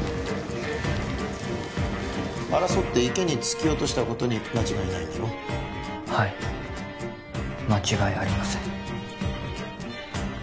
・争って池に突き落としたことに間違いないんだろはい間違いありません